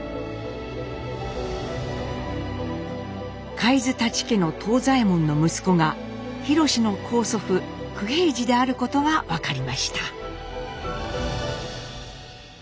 海津舘家の藤左衛門の息子がひろしの高祖父九平治であることが分かりました。